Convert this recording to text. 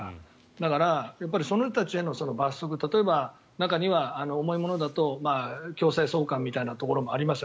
だから、その人たちへの罰則例えば、中には重いものだと強制送還みたいなのもありました。